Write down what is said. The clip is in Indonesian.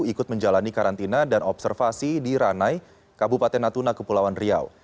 ikut menjalani karantina dan observasi di ranai kabupaten natuna kepulauan riau